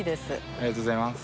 ありがとうございます。